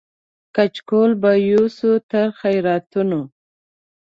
کچکول به یوسو تر خیراتونو